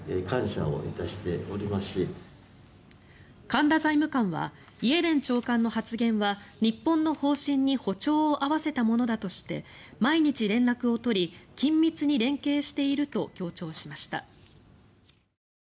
神田財務官はイエレン長官の発言は日本の方針に歩調を合わせたものだとして毎日連絡を取り緊密に連携していると強調しました。